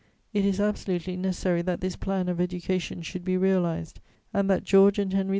It is absolutely necessary that this plan of education should be realized and that George and Henry V.